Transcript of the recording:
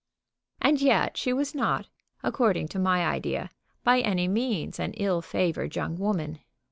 And yet she was not, according to my idea, by any means an ill favored young woman.